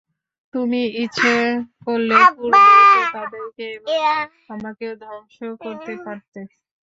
তুমি ইচ্ছে করলে পূর্বেই তো তাদেরকে এবং আমাকেও ধ্বংস করতে পারতে।